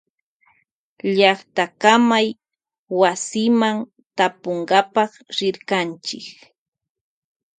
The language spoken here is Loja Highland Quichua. Llactakamaywasiman rirkanchi tapunkapa.